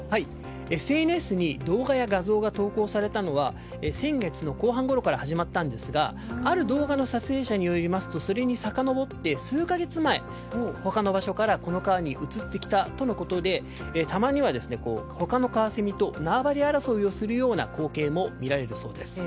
ＳＮＳに動画や画像が投稿されたのは先月の後半ごろから始まったんですがある動画の撮影者によりますとさかのぼって数か月前、他の場所からこの川に移ってきたとのことでたまには他のカワセミと縄張り争いをするような光景も見られたそうです。